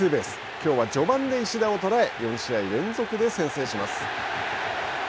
きょうは序盤で石田を捉え４試合連続で先制します。